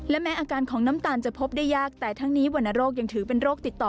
และแม้อาการของน้ำตาลจะพบได้ยากแต่ทั้งนี้วรรณโรคยังถือเป็นโรคติดต่อ